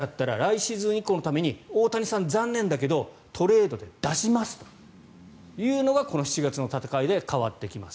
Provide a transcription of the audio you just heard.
こっちになっちゃったら来シーズン以降のために大谷さん、残念だけどトレードで出しますというのがこの７月の戦いで変わってきます。